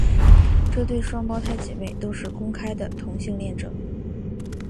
这对双胞胎姐妹都是公开的同性恋者。